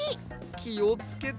きをつけて！